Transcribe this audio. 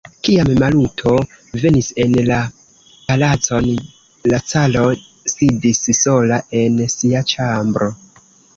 Kiam Maluto venis en la palacon, la caro sidis sola en sia ĉambro.